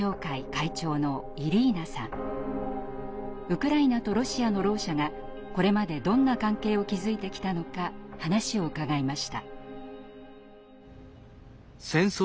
ウクライナとロシアのろう者がこれまでどんな関係を築いてきたのか話を伺いました。